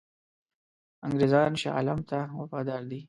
انګرېزان شاه عالم ته وفادار دي.